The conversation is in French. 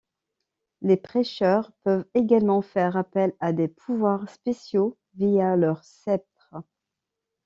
Les prêcheurs peuvent également faire appel à des pouvoirs spéciaux via leur sceptre.